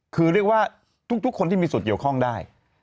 คือเรียกว่าทุกคนที่มีส่วนเกี่ยวข้องได้